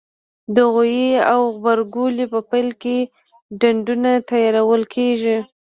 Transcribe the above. د غويي او غبرګولي په پیل کې ډنډونه تیارول کېږي.